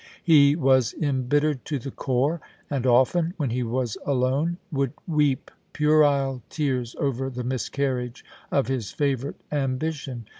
He was embittered to the core, and often, when he was alone, would weep puerile tears over the miscarriage of his favourite ambition.